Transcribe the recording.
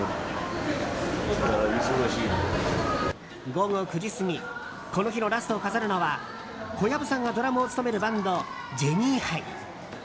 午後９時過ぎこの日のラストを飾るのは小籔さんがドラムを務めるバンドジェニーハイ。